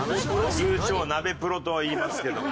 通称ナベプロと言いますけども。